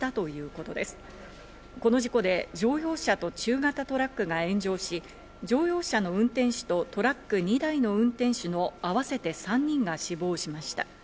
この事故で乗用車と中型トラックが炎上し、乗用車の運転手とトラック２台の運転手の合わせて３人が死亡しました。